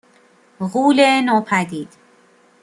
غولِ نوپدید